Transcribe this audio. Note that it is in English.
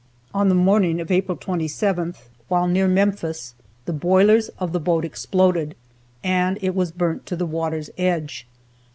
On the morning of April 27th, while near Memphis, the boilers of the boat exploded, and it was burnt to the water's edge.